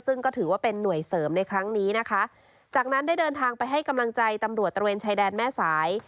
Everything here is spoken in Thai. ซึ่งก็ถือว่าเป็นหน่วยเสริมในครั้งนี้นะคะจากนั้นได้เดินทางไปให้กำลังใจตำรวจตระเวนชายแดนแม่สาย